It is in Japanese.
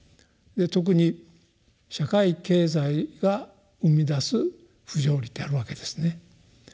特に社会経済が生み出す不条理ってあるわけですね。